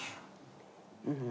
うん。